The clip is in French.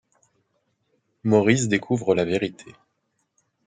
Maurice découvre la vérité.